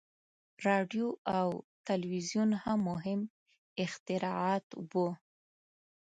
• راډیو او تلویزیون هم مهم اختراعات وو.